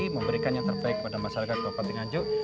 memberikan yang terbaik kepada masyarakat kabupaten nganjuk